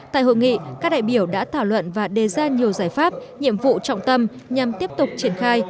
tại hội nghị các đại biểu đã thảo luận và đề ra nhiều giải pháp nhiệm vụ trọng tâm nhằm tiếp tục triển khai